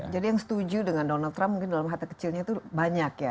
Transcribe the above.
jadi yang setuju dengan donald trump mungkin dalam hati kecilnya itu banyak ya